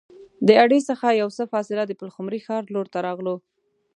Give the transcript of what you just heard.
د اډې څخه یو څه فاصله د پلخمري ښار لور ته راغلو.